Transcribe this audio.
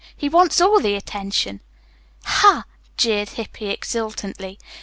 He wants all the attention." "Ha," jeered Hippy exultantly.